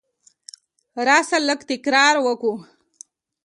راسه! لږ تکرار وکو.